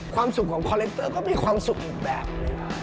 ความสุขของคอเล็กเตอร์ก็มีความสุขอีกแบบหนึ่ง